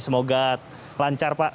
semoga lancar pak